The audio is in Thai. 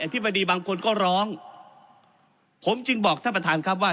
ธิบดีบางคนก็ร้องผมจึงบอกท่านประธานครับว่า